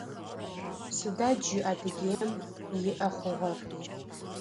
Сыда джы Адыгеим иӏэ хъугъэр?